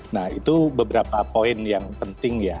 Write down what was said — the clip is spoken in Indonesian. nah itu beberapa poin yang penting ya